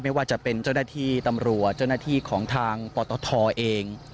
ไม่ว่าจะเป็นเจ้าหน้าที่ตำรวจเจ้าหน้าที่ของทางปตทเอง